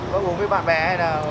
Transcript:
có uống với bạn bè hay nào